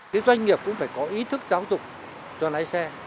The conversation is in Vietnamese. cái doanh nghiệp cũng phải có ý thức giáo dục cho lái xe